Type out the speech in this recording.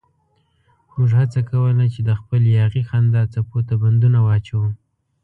موږ هڅه کوله چې د خپلې یاغي خندا څپو ته بندونه واچوو.